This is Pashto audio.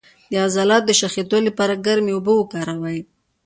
د عضلاتو د شخیدو لپاره ګرمې اوبه وکاروئ